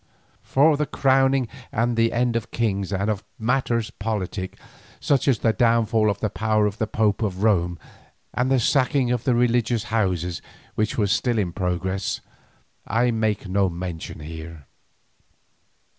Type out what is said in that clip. For of the crowning and end of kings and of matters politic, such as the downfall of the power of the Pope of Rome and the sacking of the religious houses which was still in progress, I make no mention here.